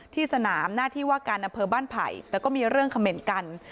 ที่สนามหน้าที่ว่าการอำเภอบ้านไผ่แต่ก็มีเรื่องเขม่นกัน